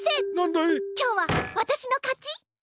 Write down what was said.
今日はわたしのかち？